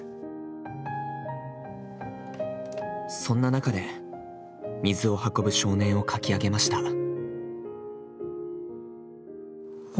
そんな中で「水を運ぶ少年」を描き上げました。